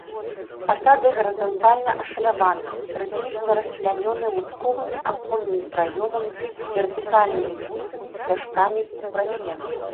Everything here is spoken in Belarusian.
Фасады гарызантальна ашаляваны, рытмічна расчлянёны лучковымі аконнымі праёмамі з вертыкальнымі бусамі-сцяжкамі ў прасценках.